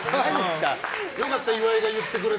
良かった、岩井が言ってくれて。